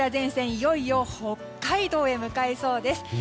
いよいよ北海道へ向かいそうです。